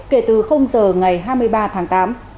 kể từ giờ ngày hai mươi ba tháng tám